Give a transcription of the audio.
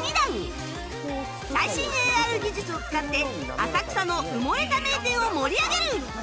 最新 ＡＲ 技術を使って浅草の埋もれた名店を盛り上げる！